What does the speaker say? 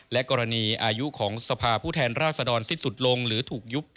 และกรณีอายุของสภาผู้แทนราษฎรสิ้นสุดลงหรือถูกยุบ